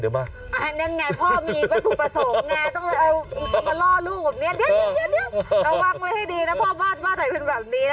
ต้องมาล่อลูกผมเนี่ยเดี๋ยวเอาวังไว้ให้ดีนะพ่อบ้านบ้านไหนเป็นแบบนี้นะ